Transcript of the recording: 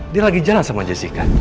dia lagi jalan sama jessy kan